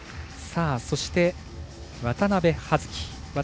そして、渡部葉月。